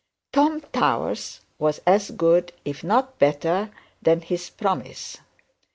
Tom Towers was as good, if not better than his promise.